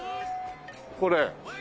これ。